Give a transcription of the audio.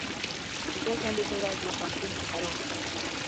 د چهارشنبې په ورځ له پوهنتون څخه راغلم.